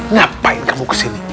ngapain kamu kesini